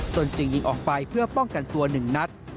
ตนจึงยิงออกไปเพื่อป้องกันตัว๑นัด